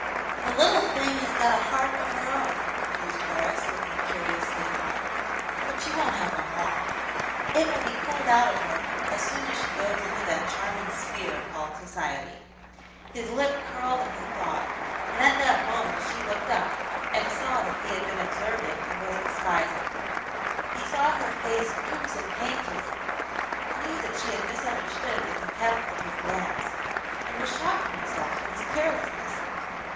"The little thing has got a heart of her own," mused Horace, looking curiously on, " but she won't have one long. It will be Pooled out of her as soon as she goes into that charming sphere called society," His lip curled at the thought, and at that moment she looked up and saw that he had been observing and was despising her. He saw her face crimson painfully, knew that she had misunderstood the con tempt of his glance, and was shocked at himself for his carelessness.